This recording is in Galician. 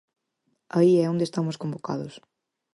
Aí é onde estamos convocados.